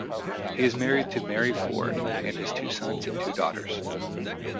He is married to Mary Forde and has two sons and two daughters.